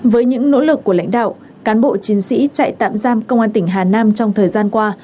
với những nỗ lực của lãnh đạo cán bộ chiến sĩ trại tạm giam công an tỉnh hà nam trong thời gian qua